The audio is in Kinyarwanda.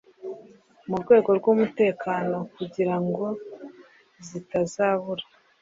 mu rwego rw’umutekano kugira ngo zitazabura